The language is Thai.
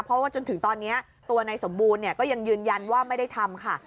เพราะว่าจนถึงตอนนี้ตัวนายสมบูรณ์ก็ยังยืนยันว่าไม่ได้ทำค่ะ